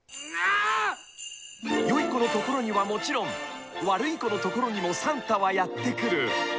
良い子のところにはもちろん悪い子のところにもサンタはやってくる。